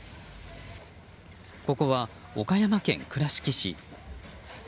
ここは岡山県倉敷市。